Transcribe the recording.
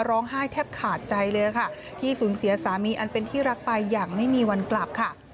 ร้องไห้แทบขาดใจเลยค่ะที่สูญเสียสามีอันเป็นที่รักไปอย่างไม่มีวันกลับค่ะ